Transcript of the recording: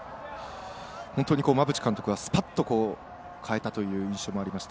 本当に馬淵監督がスパッと代えたという印象もありました。